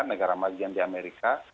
negara magian di amerika